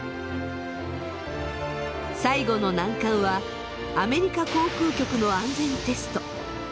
最後の難関はアメリカ航空局の安全テスト。